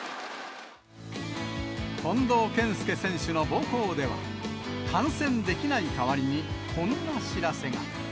近藤健介選手の母校では、観戦できない代わりに、こんな知らせが。